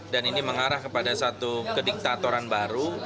dan ini mengarah kepada satu kediktatoran baru